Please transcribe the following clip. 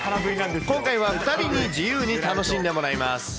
今回は２人に自由に楽しんでもらいます。